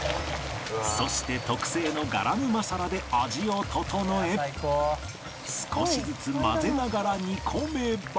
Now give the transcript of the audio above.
そして特製のガラムマサラで味を調え少しずつ混ぜながら煮込めば